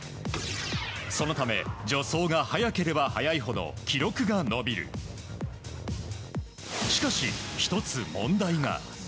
そのため助走が速ければ速いほど記録が伸びるしかし、１つ問題が。